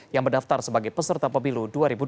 yang mendaftar sebagai peserta pemilu dua ribu dua puluh